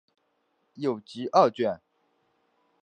有集二卷。